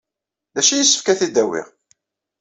D acu ay yessefk ad t-id-awyeɣ?